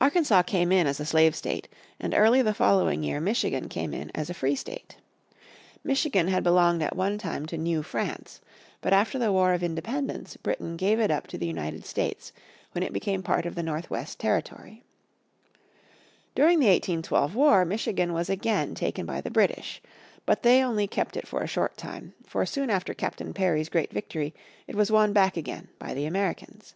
Arkansas came in as a slave state, and early the following year Michigan came in as a free state. Michigan had belonged at one time to New France, but after the War of Independence Britain gave it up to the United States when it became part of the North West Territory. During the 1812 war Michigan was again taken by the British. But they only kept it for a short time, for soon after Captain Perry's great victory it was won back again by the Americans.